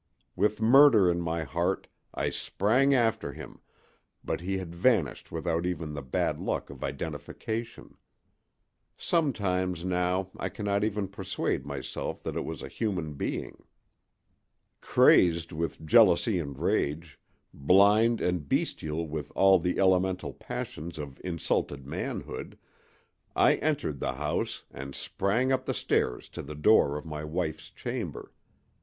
With murder in my heart, I sprang after him, but he had vanished without even the bad luck of identification. Sometimes now I cannot even persuade myself that it was a human being. Crazed with jealousy and rage, blind and bestial with all the elemental passions of insulted manhood, I entered the house and sprang up the stairs to the door of my wife's chamber.